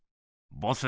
ボス